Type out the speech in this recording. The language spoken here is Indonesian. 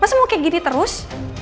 pasti mau kayak gini terus